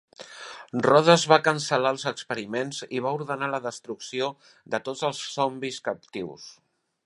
Rhodes va cancel·lar els experiments i va ordenar la destrucció de tots els zombis captius.